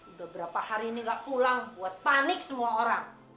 udah berapa hari ini gak pulang buat panik semua orang